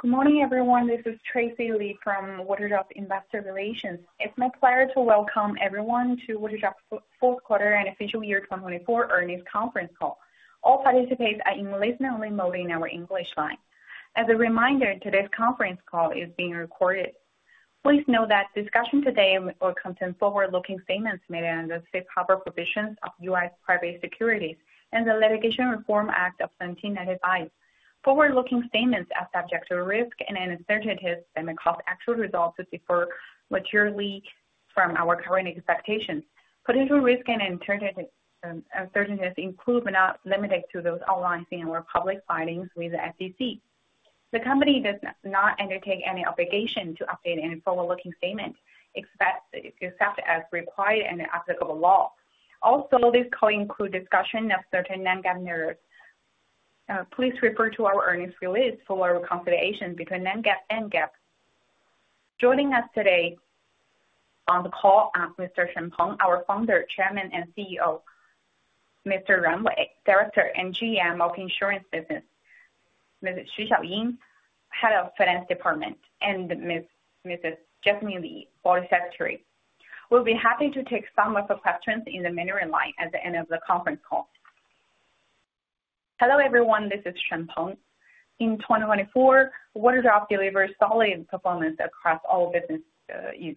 Good morning, everyone. This is Tracy Li from Waterdrop Investor Relations. It's my pleasure to welcome everyone to Waterdrop's fourth quarter and official year 2024 earnings conference call. All participants are in listen-only mode in our English line. As a reminder, today's conference call is being recorded. Please note that the discussion today will contain forward-looking statements made under the Safe Harbor Provisions of U.S. Private Securities and the Litigation Reform Act of 1995. Forward-looking statements are subject to risk and uncertainties, and may cause actual results to differ materially from our current expectations. Potential risk and uncertainties include, but are not limited to, those outlined in our public filings with the SEC. The company does not undertake any obligation to update any forward-looking statements, except as required in applicable law. Also, this call includes discussion of certain non-GAAP narratives. Please refer to our earnings release for our consideration between non-GAAP and GAAP. Joining us today on the call are Mr. Shen Peng, our Founder, Chairman, and CEO, Mr. Ran, Director and GM of Insurance Business, Mrs. Xiaojiao Cui, Head of Finance Department, and Mrs. Jasmine Lee, Board Secretary. We'll be happy to take some of your questions in the Mandarin line at the end of the conference call. Hello, everyone. This is Shen Peng. In 2024, Waterdrop delivers solid performance across all business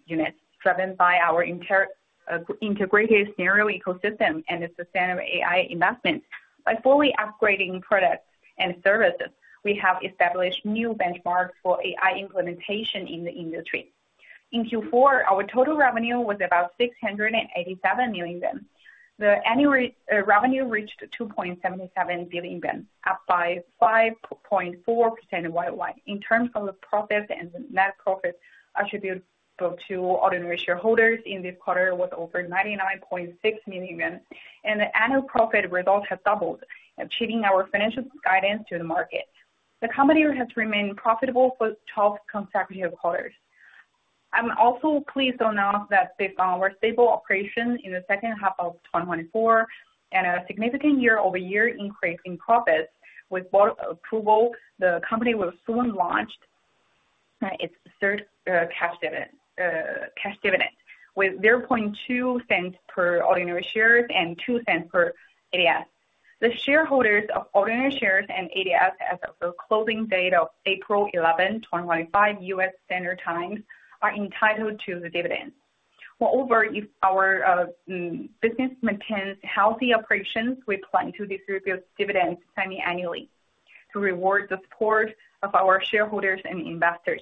units, driven by our integrated scenario ecosystem and the sustainable AI investments. By fully upgrading products and services, we have established new benchmarks for AI implementation in the industry. In Q4, our total revenue was about RMB 687 million. The annual revenue reached RMB 2.77 billion, up by 5.4% worldwide. In terms of the profits and net profits attributable to ordinary shareholders, in this quarter, it was over 99.6 million yuan, and the annual profit result has doubled, achieving our financial guidance to the market. The company has remained profitable for 12 consecutive quarters. I'm also pleased to announce that, based on our stable operations in the second half of 2024 and a significant year-over-year increase in profits with board approval, the company will soon launch its third cash dividend, with $0.002 per ordinary share and $0.02 per ADS. The shareholders of ordinary shares and ADS, as of the closing date of April 11, 2025, U.S. Standard Time, are entitled to the dividend. Moreover, if our business maintains healthy operations, we plan to distribute dividends semi-annually to reward the support of our shareholders and investors.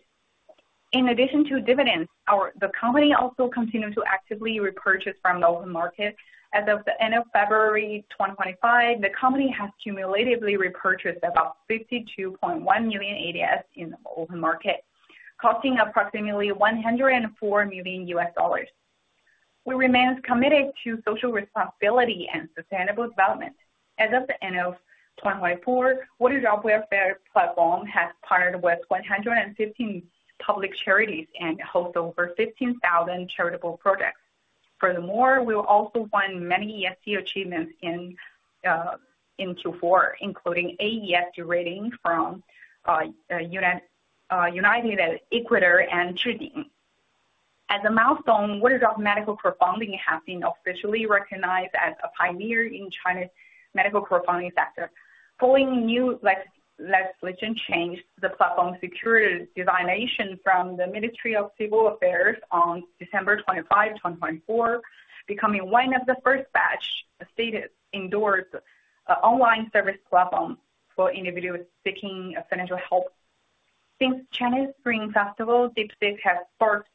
In addition to dividends, the company also continues to actively repurchase from the open market. As of the end of February 2025, the company has cumulatively repurchased about 52.1 million ADS in the open market, costing approximately $104 million. We remain committed to social responsibility and sustainable development. As of the end of 2024, Waterdrop Welfare Platform has partnered with 115 public charities and hosts over 15,000 charitable projects. Furthermore, we will also find many ESG achievements in Q4, including a ESG rating from United Equity and Chu Jing. As a milestone, Waterdrop's medical crowdfunding has been officially recognized as a pioneer in China's medical crowdfunding sector. Following new legislation changes, the platform secured designation from the Ministry of Civil Affairs on December 25, 2024, becoming one of the first batch state-endorsed online service platforms for individuals seeking financial help. Since China's Spring Festival, DeepSeek has sparked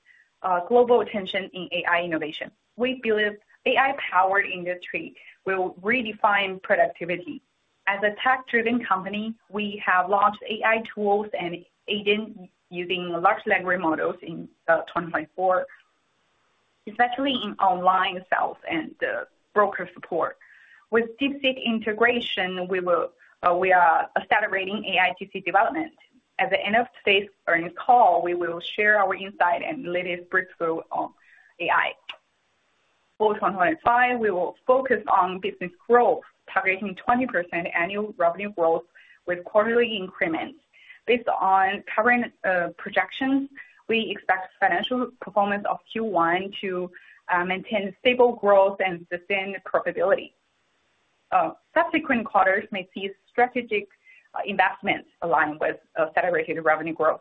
global attention in AI innovation. We believe the AI-powered industry will redefine productivity. As a tech-driven company, we have launched AI tools and agents using large language models in 2024, especially in online sales and broker support. With DeepSeek integration, we are accelerating AIGC development. At the end of today's earnings call, we will share our insights and latest breakthrough on AI. For 2025, we will focus on business growth, targeting 20% annual revenue growth with quarterly increments. Based on current projections, we expect financial performance of Q1 to maintain stable growth and sustained profitability. Subsequent quarters may see strategic investments aligned with accelerated revenue growth.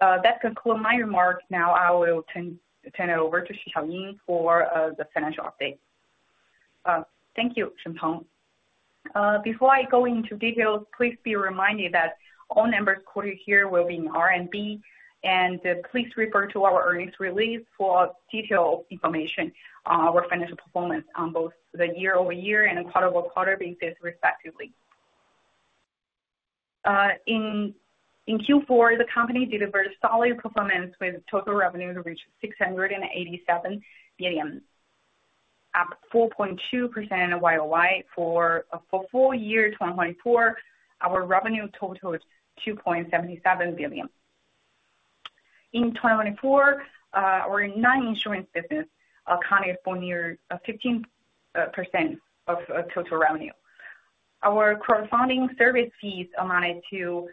That concludes my remarks. Now, I will turn it over to Xiaojiao Cui for the financial update. Thank you, Chen Peng. Before I go into details, please be reminded that all numbers quoted here will be in RMB, and please refer to our earnings release for detailed information on our financial performance on both the year-over-year and quarter-over-quarter basis, respectively. In Q4, the company delivered solid performance, with total revenue reaching 687 million, up 4.2% YOY. For full year 2024, our revenue totaled RMB 2.77 billion. In 2024, our non-insurance business accounted for near 15% of total revenue. Our crowdfunding service fees amounted to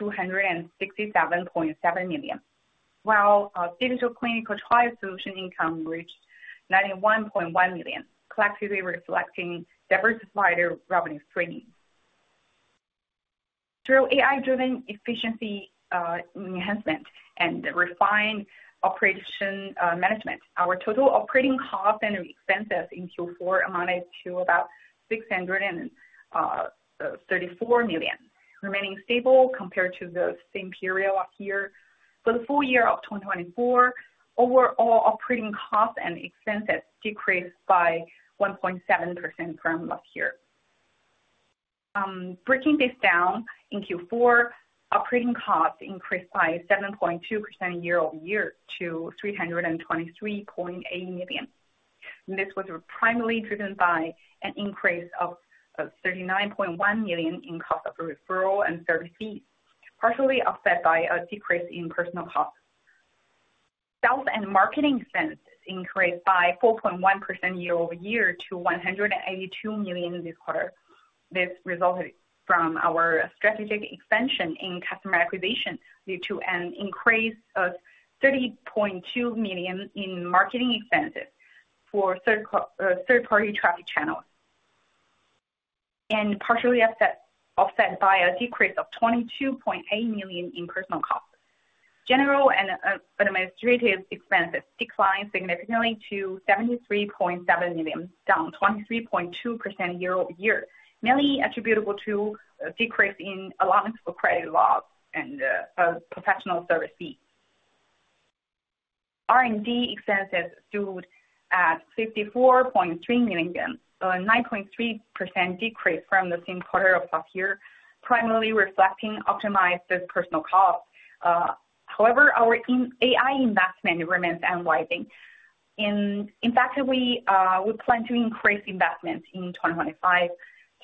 267.7 million, while digital clinical trial solution income reached 91.1 million, collectively reflecting diversified revenue streams. Through AI-driven efficiency enhancement and refined operation management, our total operating costs and expenses in Q4 amounted to about 634 million, remaining stable compared to the same period last year. For the full year of 2024, overall operating costs and expenses decreased by 1.7% from last year. Breaking this down, in Q4, operating costs increased by 7.2% year-over-year to 323.8 million. This was primarily driven by an increase of 39.1 million in cost of referral and service fees, partially offset by a decrease in personnel costs. Sales and marketing expenses increased by 4.1% year-over-year to 182 million this quarter. This resulted from our strategic expansion in customer acquisition due to an increase of 30.2 million in marketing expenses for third-party traffic channels, and partially offset by a decrease of 22.8 million in personnel costs. General and administrative expenses declined significantly to 73.7 million, down 23.2% year-over-year, mainly attributable to a decrease in allowance for credit loss and professional service fees. R&D expenses stood at RMB 54.3 million, a 9.3% decrease from the same quarter of last year, primarily reflecting optimized personnel costs. However, our AI investment remains unwavering. In fact, we plan to increase investments in 2025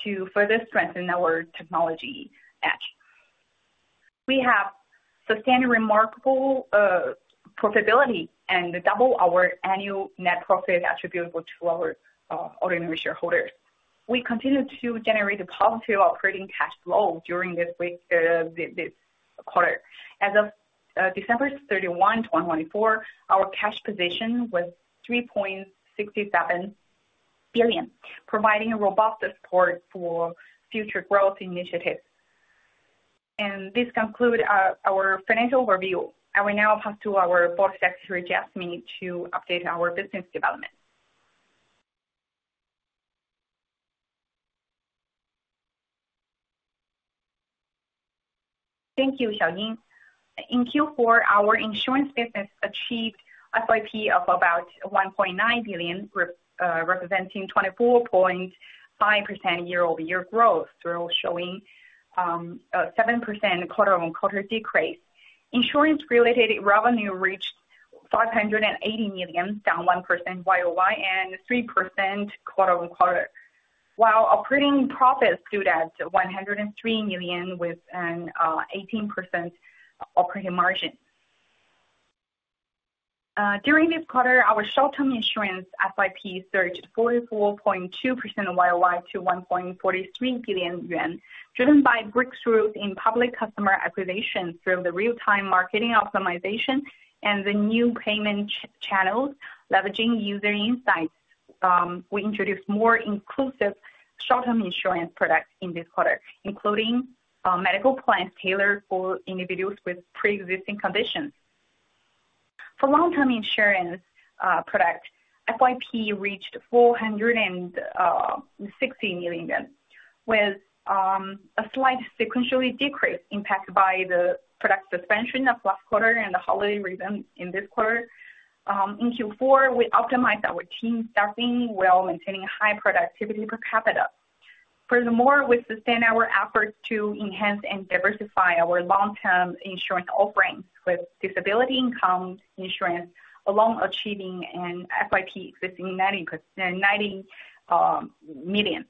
to further strengthen our technology edge. We have sustained remarkable profitability and doubled our annual net profit attributable to our ordinary shareholders. We continue to generate a positive operating cash flow during this quarter. As of December 31, 2024, our cash position was 3.67 billion, providing robust support for future growth initiatives. This concludes our financial review. I will now pass to our Board Secretary, Jasmine, to update our business development. Thank you, Xiaojiao. In Q4, our insurance business achieved an SIP of about 1.9 billion, representing 24.5% year-over-year growth, while showing a 7% quarter-on-quarter decrease. Insurance-related revenue reached 580 million, down 1% year-over-year, and 3% quarter-on-quarter, while operating profits stood at 103 million, with an 18% operating margin. During this quarter, our short-term insurance SIP surged 44.2% YOY to 1.43 billion yuan, driven by breakthroughs in public customer acquisition through the real-time marketing optimization and the new payment channels. Leveraging user insights, we introduced more inclusive short-term insurance products in this quarter, including medical plans tailored for individuals with pre-existing conditions. For long-term insurance products, SIP reached 460 million, with a slight sequentially decreased impact by the product suspension of last quarter and the holiday reason in this quarter. In Q4, we optimized our team staffing while maintaining high productivity per capita. Furthermore, we sustained our efforts to enhance and diversify our long-term insurance offerings with disability income insurance, along with achieving an SIP exceeding RMB 90 million.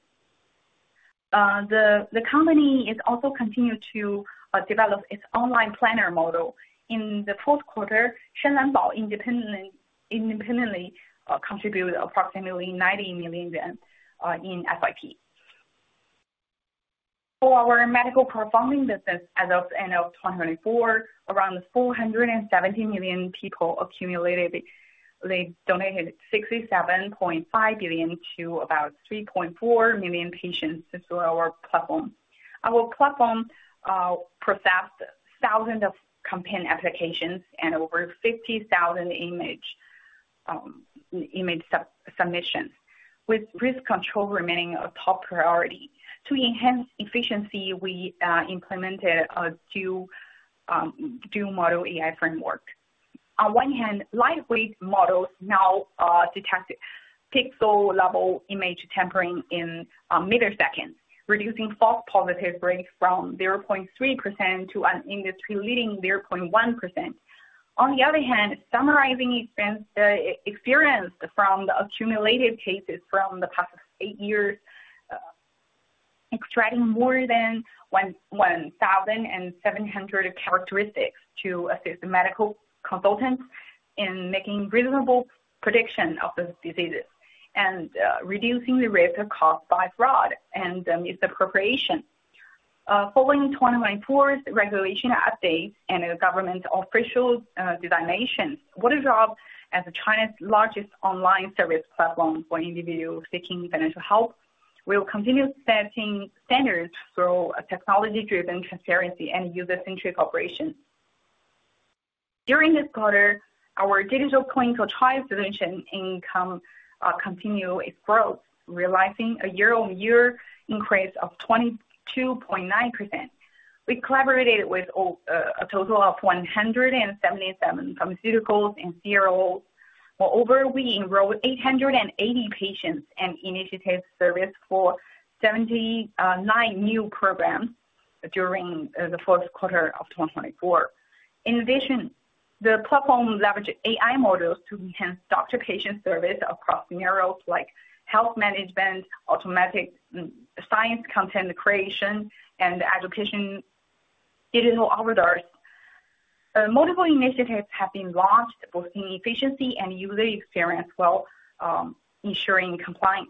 The company is also continuing to develop its online planner model. In the fourth quarter, Shenzhen Bao independently contributed approximately RMB 90 million in SIP. For our medical crowdfunding business, as of the end of 2024, around 470 million people accumulated. They donated 67.5 billion to about 3.4 million patients through our platform. Our platform processed thousands of campaign applications and over 50,000 image submissions, with risk control remaining a top priority. To enhance efficiency, we implemented a DUE model AI framework. On one hand, lightweight models now detect pixel-level image tampering in milliseconds, reducing false positive rates from 0.3% to an industry-leading 0.1%. On the other hand, summarizing experience from the accumulated cases from the past eight years, extracting more than 1,700 characteristics to assist medical consultants in making reasonable predictions of the diseases and reducing the risk of cost by fraud and misappropriation. Following 2024's regulation updates and government official designations, Waterdrop, as China's largest online service platform for individuals seeking financial help, will continue setting standards through technology-driven transparency and user-centric operations. During this quarter, our digital clinical trial solution income continued its growth, realizing a year-over-year increase of 22.9%. We collaborated with a total of 177 pharmaceuticals and CROs. Moreover, we enrolled 880 patients and initiated service for 79 new programs during the fourth quarter of 2024. In addition, the platform leveraged AI models to enhance doctor-patient service across areas like health management, automatic science content creation, and education digital avatars. Multiple initiatives have been launched, boosting efficiency and user experience while ensuring compliance.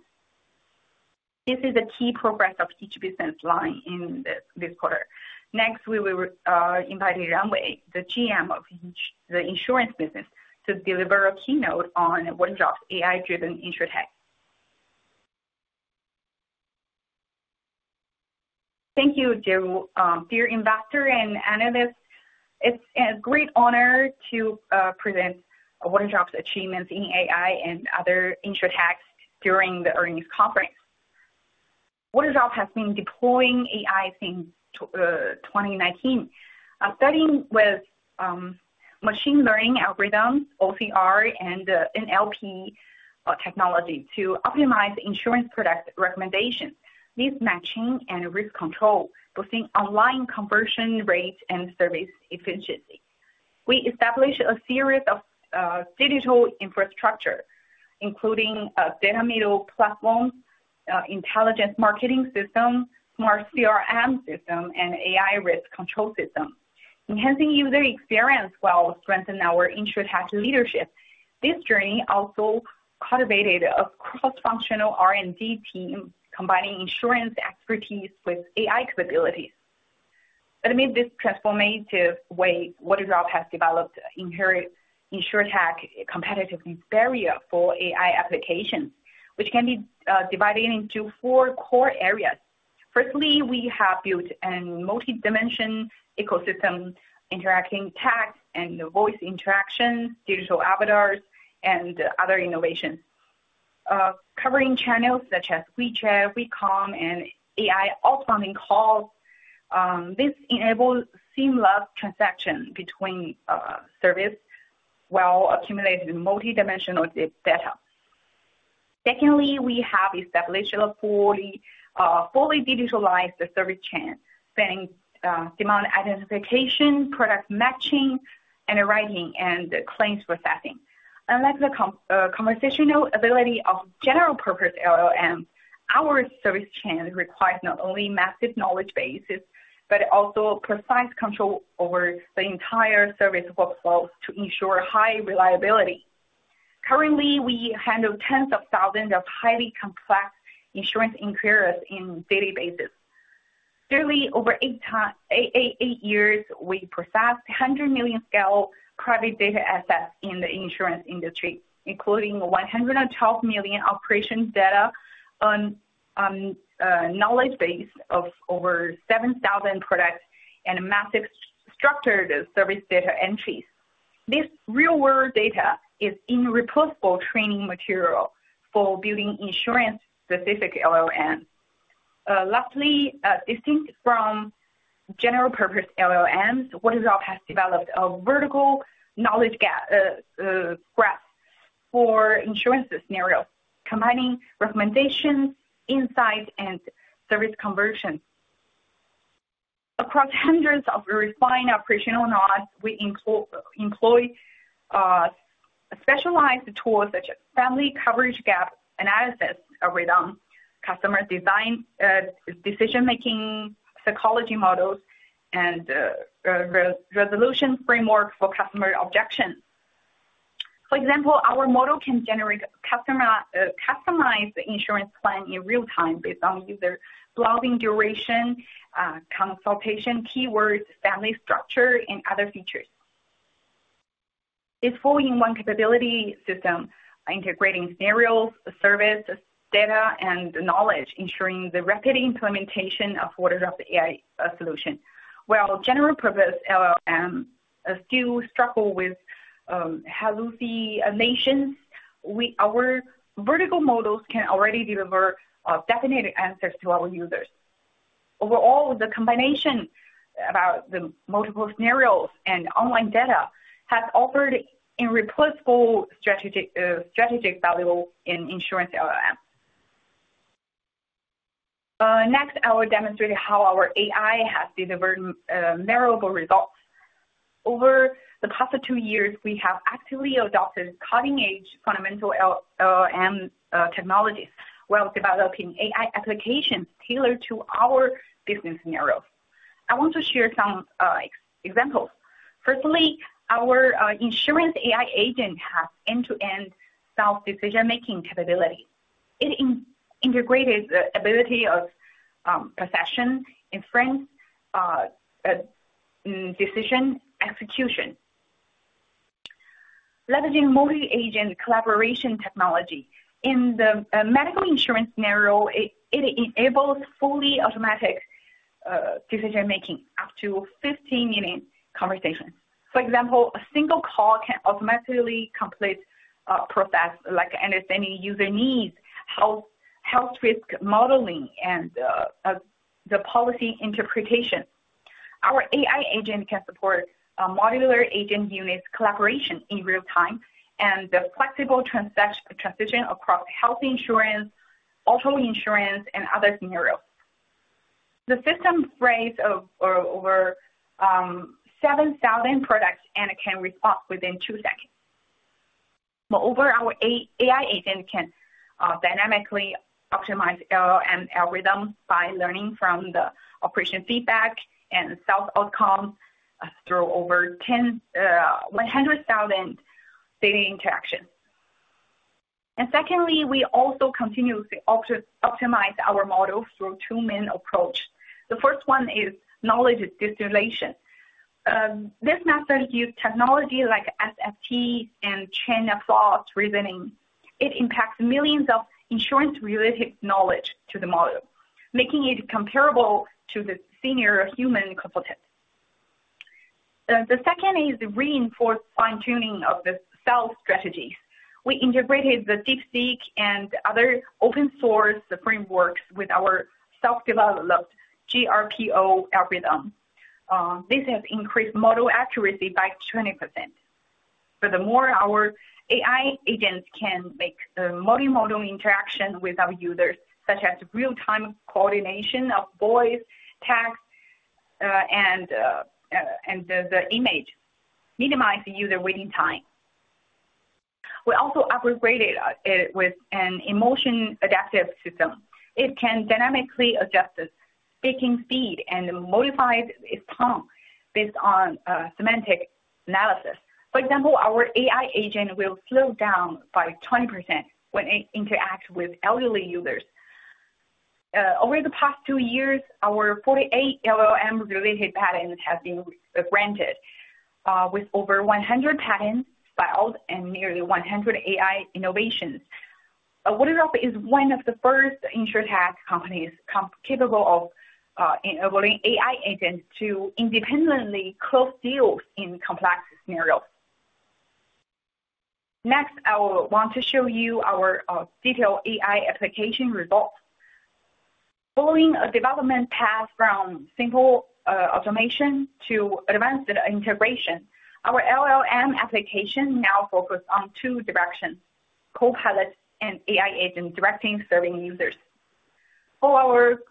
This is a key progress of each business line in this quarter. Next, we will invite Ran Wei, the GM of the insurance business, to deliver a keynote on Waterdrop's AI-driven insurtech. Thank you, Ju. Dear investor and analysts, it's a great honor to present Waterdrop's achievements in AI and other insurtechs during the earnings conference. Waterdrop has been deploying AI since 2019, starting with machine learning algorithms, OCR, and NLP technology to optimize insurance product recommendations, risk matching, and risk control, boosting online conversion rates and service efficiency. We established a series of digital infrastructures, including data middle platforms, intelligence marketing systems, smart CRM systems, and AI risk control systems, enhancing user experience while strengthening our insurtech leadership. This journey also cultivated a cross-functional R&D team, combining insurance expertise with AI capabilities. Amid this transformative wave, Waterdrop has developed insurtech competitiveness barriers for AI applications, which can be divided into four core areas. Firstly, we have built a multi-dimensional ecosystem, interacting text and voice interactions, digital avatars, and other innovations, covering channels such as WeChat, WeCom, and AI outbound calls. This enables seamless transaction between services while accumulating multi-dimensional data. Secondly, we have established a fully digitalized service chain, spanning demand identification, product matching, underwriting, and claims processing. Unlike the conversational ability of general-purpose LLMs, our service chain requires not only a massive knowledge base but also precise control over the entire service workflows to ensure high reliability. Currently, we handle tens of thousands of highly complex insurance inquiries in databases. Nearly over eight years, we processed 100 million scale private data assets in the insurance industry, including 112 million operation data on a knowledge base of over 7,000 products and massive structured service data entries. This real-world data is irreplaceable training material for building insurance-specific LLMs. Lastly, distinct from general-purpose LLMs, Waterdrop has developed a vertical knowledge graph for insurance scenarios, combining recommendations, insights, and service conversions. Across hundreds of refined operational nodes, we employ specialized tools such as family coverage gap analysis algorithms, customer design decision-making psychology models, and resolution frameworks for customer objections. For example, our model can generate a customized insurance plan in real time based on user blogging duration, consultation keywords, family structure, and other features. This four-in-one capability system integrates scenarios, service data, and knowledge, ensuring the rapid implementation of Waterdrop's AI solutions. While general-purpose LLMs still struggle with hallucinations, our vertical models can already deliver definite answers to our users. Overall, the combination of the multiple scenarios and online data has offered irreplaceable strategic value in insurance LLMs. Next, I will demonstrate how our AI has delivered memorable results. Over the past two years, we have actively adopted cutting-edge fundamental LLM technologies while developing AI applications tailored to our business scenarios. I want to share some examples. Firstly, our insurance AI agent has end-to-end self-decision-making capability. It integrates the ability of possession, inference, and decision execution, leveraging multi-agent collaboration technology. In the medical insurance scenario, it enables fully automatic decision-making up to 15-minute conversations. For example, a single call can automatically complete a process like understanding user needs, health risk modeling, and the policy interpretation. Our AI agent can support modular agent units collaboration in real time and the flexible transition across health insurance, auto insurance, and other scenarios. The system spans over 7,000 products and can respond within two seconds. Moreover, our AI agent can dynamically optimize LLM algorithms by learning from the operation feedback and self-outcomes through over 100,000 data interactions. Secondly, we also continue to optimize our model through two main approaches. The first one is knowledge distillation. This method uses technology like SFT and chain of thought reasoning. It impacts millions of insurance-related knowledge to the model, making it comparable to the senior human component. The second is reinforced fine-tuning of the sales strategies. We integrated the DeepSeek and other open-source frameworks with our self-developed GRPO algorithm. This has increased model accuracy by 20%. Furthermore, our AI agents can make multi-modal interactions with our users, such as real-time coordination of voice, text, and the image, minimizing user waiting time. We also upgraded it with an emotion-adaptive system. It can dynamically adjust its speaking speed and modify its tone based on semantic analysis. For example, our AI agent will slow down by 20% when it interacts with elderly users. Over the past two years, our 48 LLM-related patents have been granted, with over 100 patents filed and nearly 100 AI innovations. Waterdrop is one of the first insurtech companies capable of enabling AI agents to independently close deals in complex scenarios. Next, I want to show you our detailed AI application results. Following a development path from simple automation to advanced integration, our LLM application now focuses on two directions: co-pilot and AI agent directing and serving users. For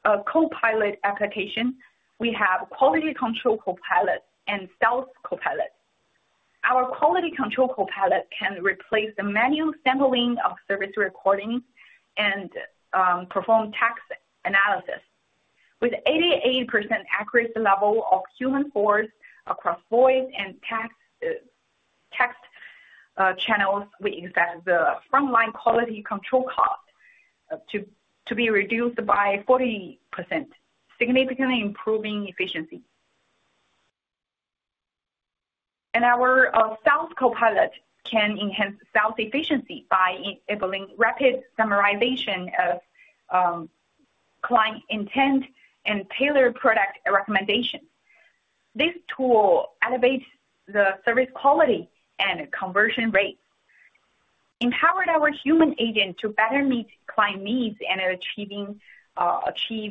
our co-pilot application, we have quality control co-pilot and self-co-pilot. Our quality control co-pilot can replace the manual sampling of service recordings and perform text analysis. With an 88% accuracy level of human voice across voice and text channels, we expect the frontline quality control cost to be reduced by 40%, significantly improving efficiency. Our self-co-pilot can enhance self-efficiency by enabling rapid summarization of client intent and tailored product recommendations. This tool elevates the service quality and conversion rates, empowering our human agent to better meet client needs and achieve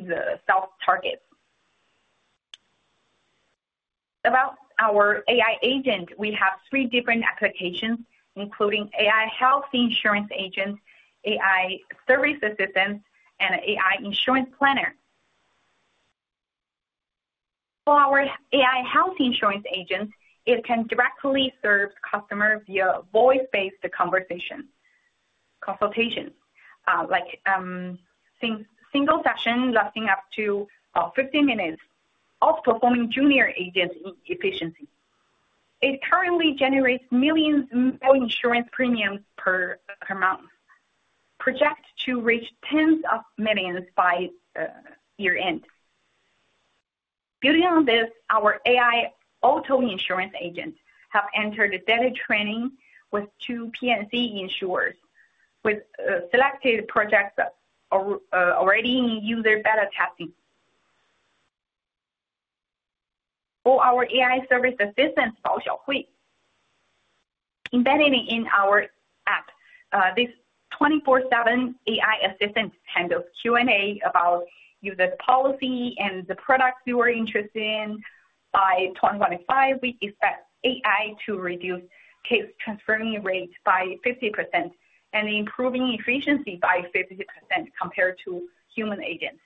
the self-targets. About our AI agent, we have three different applications, including AI Health Insurance Agent, AI Service Assistant, and AI Insurance Planner. For our AI Health Insurance Agent, it can directly serve customers via voice-based consultations, like single sessions lasting up to 15 minutes, outperforming junior agents in efficiency. It currently generates millions of insurance premiums per month, projected to reach tens of millions by year-end. Building on this, our AI auto insurance agent has entered data training with two P&C insurers, with selected projects already in user beta testing. For our AI Service Assistant, Xiaojiao Cui, embedded in our app, this 24/7 AI assistant handles Q&A about user policy and the products you are interested in. By 2025, we expect AI to reduce case transferring rates by 50% and improve efficiency by 50% compared to human agents.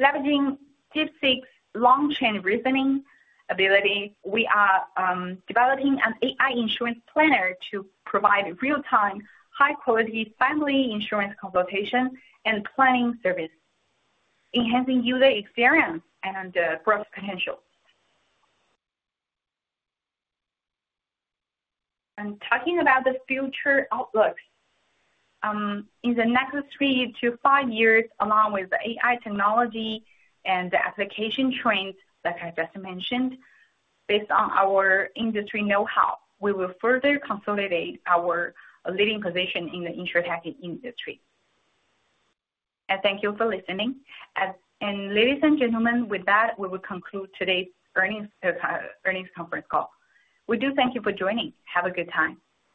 Leveraging DeepSeek's long-chain reasoning ability, we are developing an AI insurance planner to provide real-time, high-quality family insurance consultation and planning services, enhancing user experience and growth potential. Talking about the future outlook, in the next three to five years, along with the AI technology and the application trends that I just mentioned, based on our industry know-how, we will further consolidate our leading position in the insurtech industry. Thank you for listening. Ladies and gentlemen, with that, we will conclude today's earnings conference call. We do thank you for joining. Have a good time.